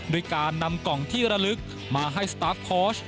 โดยการนำกล่องที่ระลึกมาให้สตาร์ฟโค้ช